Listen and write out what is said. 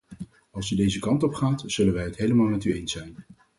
Als u deze kant op gaat zullen wij het helemaal met u eens zijn.